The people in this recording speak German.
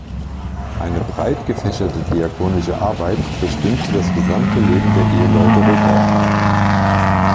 Eine breit gefächerte diakonische Arbeit bestimmte das gesamte Leben der Eheleute Rückert.